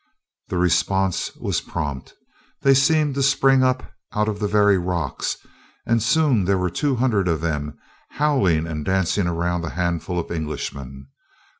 The response was prompt. They seemed to spring up out of the very rocks, and soon there were two hundred of them howling and dancing around the handful of Englishmen.